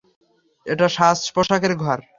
এটা সাজ পোশাকের ঘর।